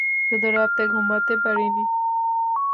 শুধু রাতে ঘুমাতে পারিনি।